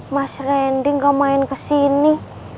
mas randy nggak main kesini